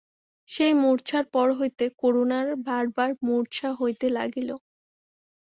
সেই মূর্ছার পর হইতে করুণার বার বার মুর্ছা হইতে লাগিল।